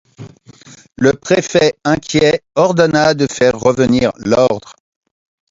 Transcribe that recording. Le préfet, inquiet, ordonna de faire revenir l'ordre.